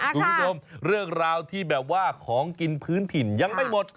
คุณผู้ชมเรื่องราวที่แบบว่าของกินพื้นถิ่นยังไม่หมด